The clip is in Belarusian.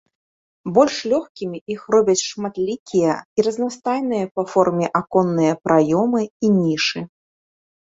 Больш лёгкімі іх робяць шматлікія і разнастайныя па форме аконныя праёмы і нішы.